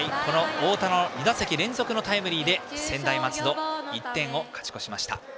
太田の２打席連続のタイムリーで専大松戸は１点を勝ち越しました。